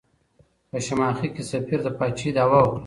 په شماخي کې سفیر د پاچاهۍ دعوه وکړه.